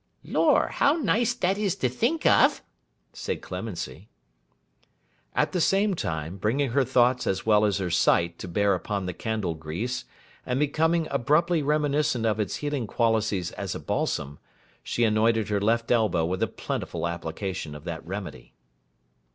'Lor, how nice that is to think of!' said Clemency. At the same time, bringing her thoughts as well as her sight to bear upon the candle grease, and becoming abruptly reminiscent of its healing qualities as a balsam, she anointed her left elbow with a plentiful application of that remedy.